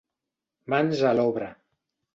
Mans a l'obra!